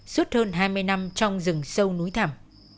suốt hơn hai mươi năm trong rừng sâu núi thảm